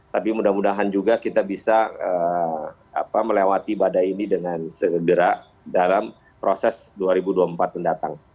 tapi mudah mudahan juga kita bisa melewati badai ini dengan segera dalam proses dua ribu dua puluh empat mendatang